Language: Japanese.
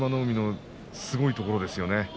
海のすごいところですよね。